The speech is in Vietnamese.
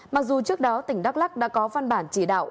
mặc dù trước đó tỉnh đắk lắc đã có văn bản chỉ đạo